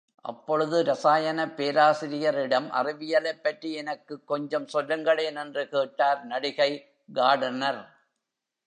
அப்பொழுது ரசாயனப் பேராசிரியரிடம், அறிவியலைப் பற்றி எனக்குக் கொஞ்சம் சொல்லுங்களேன் என்று கேட்டார் நடிகை கார்டனர்.